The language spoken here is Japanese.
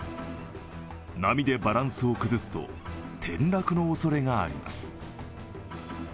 波でバランスを崩すと、転落のおそれがあります。